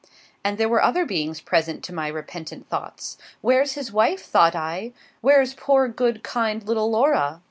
And there were other beings present to my repentant thoughts. Where's his wife, thought I? Where's poor, good, kind little Laura?